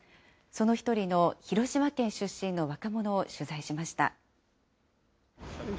その１人の広島県出身の若者を取材しました。